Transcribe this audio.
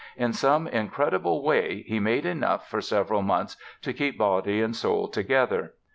In some incredible way he made enough for several months to keep body and soul together.